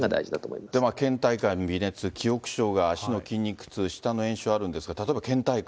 けん怠感、微熱、記憶障害、足の筋肉痛、舌の炎症があるんですけど、例えばけん怠感。